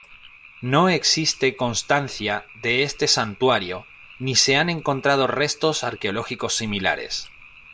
No existe constancia de este santuario ni se han encontrado restos arqueológicos similares.